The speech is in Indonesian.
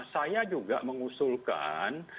saya juga mengusulkan